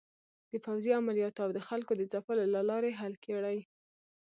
د پوځې عملیاتو او د خلکو د ځپلو له لارې حل کړي.